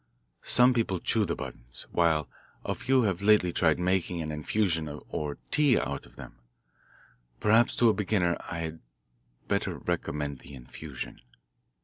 Some people chew the buttons, while a few have lately tried making an infusion or tea out of them. Perhaps to a beginner I had better recommend the infusion."